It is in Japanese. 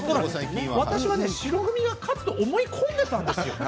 私は白組が勝つと思い込んでいたんですよ。